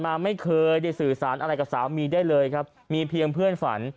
มาไม่เคยได้สื่อสารอะไรกับสามีได้เลยครับมีเพียงเพื่อนฝัน